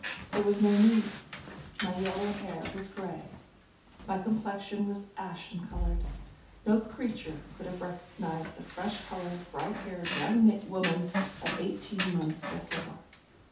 There was no need; my yellow hair was grey, my complexion was ashen coloured, no creature could have recognized the fresh coloured, bright haired young woman of eighteen months before.